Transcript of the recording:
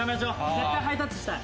絶対ハイタッチしたい。